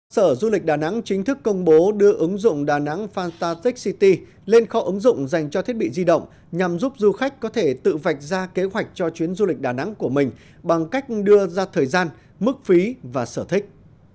sở du lịch đà nẵng chính thức công bố đưa ứng dụng đà nẵng fanta tech city lên kho ứng dụng dành cho thiết bị di động nhằm giúp du khách có thể tự vạch ra kế hoạch cho chuyến du lịch đà nẵng của mình bằng cách đưa ra thời gian mức phí và sở thích